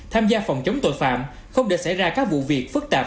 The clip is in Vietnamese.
tham gia phòng chống tội phạm không để xảy ra các vụ việc phức tạp